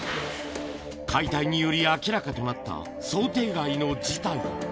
解体により、明らかとなった想定外の事態。